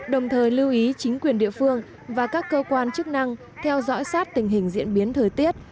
đồng thời lưu ý chính quyền địa phương và các cơ quan chức năng theo dõi sát tình hình diễn biến thời tiết